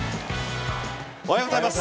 おはようございます。